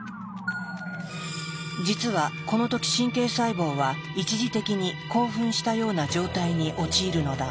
実はこの時神経細胞は一時的に興奮したような状態に陥るのだ。